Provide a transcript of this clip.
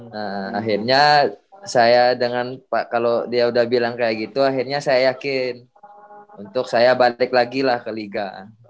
nah akhirnya saya dengan pak kalau dia udah bilang kayak gitu akhirnya saya yakin untuk saya balik lagi lah ke liga